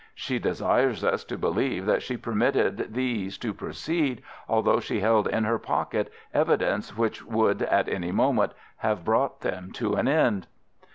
She desires us to believe that she permitted these to proceed, although she held in her pocket evidence which would at any moment have brought them to an end.